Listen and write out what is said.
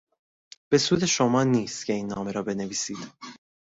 به سود شما نیست که این نامه را بنویسید.